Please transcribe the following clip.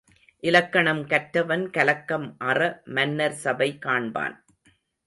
இலக்கணம் கற்றவன் கலக்கம் அற மன்னர் சபை காண்பான்.